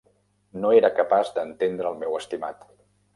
No era capaç d'entendre el meu estimat.